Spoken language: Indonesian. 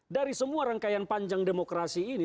dari semua rangkaian panjang demokrasi ini